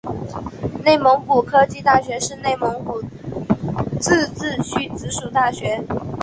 内蒙古科技大学是内蒙古自治区直属大学。